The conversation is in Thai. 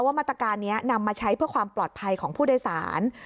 มาตรการนี้นำมาใช้เพื่อความปลอดภัยของผู้โดยสาร